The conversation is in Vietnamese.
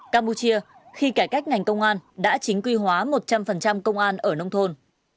campuchia khi cải cách ngành công an đã chính quy hóa một trăm linh công an ở nông thôn